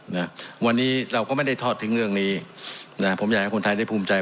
นะวันนี้เราก็ไม่ได้ทอดทิ้งเรื่องนี้นะผมอยากให้คนไทยได้ภูมิใจ